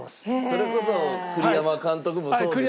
それこそ栗山監督もそうですよね。